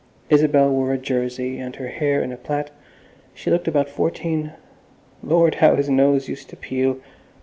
Isabel wore a jersey and her hair in a plait; she looked about fourteen. Lord! how his nose used to peel!